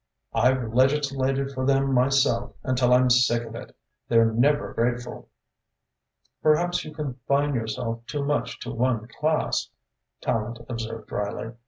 "I've legislated for them myself until I'm sick of it. They're never grateful." "Perhaps you confine yourself too much to one class," Tallente observed drily.